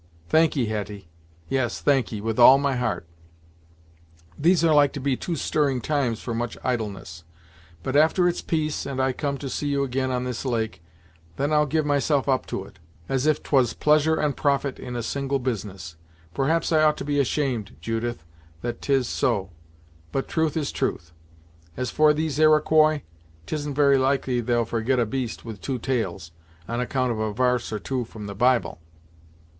"Thankee, Hetty yes, thankee, with all my heart. These are like to be too stirring times for much idleness, but after it's peace, and I come to see you ag'in on this lake, then I'll give myself up to it, as if 'twas pleasure and profit in a single business. Perhaps I ought to be ashamed, Judith, that 'tis so; but truth is truth. As for these Iroquois, 'tisn't very likely they'll forget a beast with two tails, on account of a varse or two from the Bible.